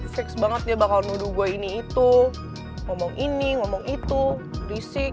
fix banget dia bakal nuduh gua ini itu ngomong ini ngomong itu disik